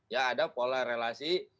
ya ada pola relasi